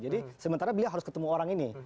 jadi sementara beliau harus ketemu orang ini